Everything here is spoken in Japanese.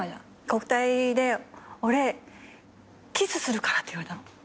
「国体で俺キスするから」って言われたの。